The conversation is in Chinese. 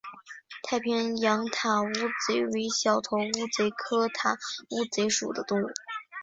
太平洋塔乌贼为小头乌贼科塔乌贼属的动物。